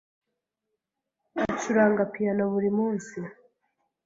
Acuranga piyano buri munsi.